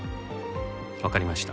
わかりました。